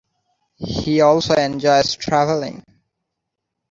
He also enjoys traveling.